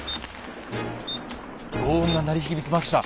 轟音が鳴り響きました。